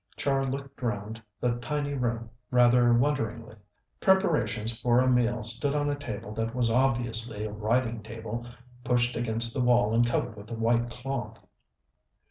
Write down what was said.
Char looked round the tiny room rather wonderingly. Preparations for a meal stood on a table that was obviously a writing table pushed against the wall and covered with a white cloth.